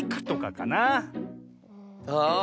ああ。